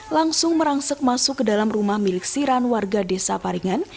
langsung merangsek masuk ke dalam rumah milik siran warga desa paringan